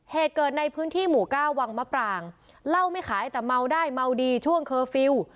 เหตุเกิดในพื้นที่หมู่เก้าวังมะปรางเหล้าไม่ขายแต่เมาได้เมาดีช่วงเคอร์ฟิลล์